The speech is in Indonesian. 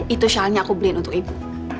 itu shawl nya aku beliin untuk ibu